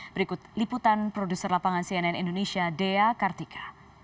berikut liputan produser lapangan cnn indonesia dea kartika